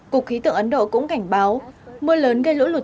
cục khí tượng ấn độ cũng cảnh báo mưa lớn gây lũ lụt